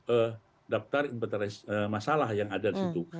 eh tiga dua puluh daftar impetoris masalah yang ada disitu